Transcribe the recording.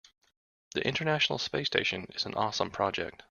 The international space station is an awesome project.